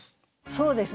そうですね。